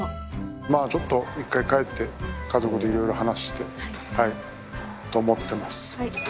まあちょっと一回帰って、家族といろいろ話して、と思ってます。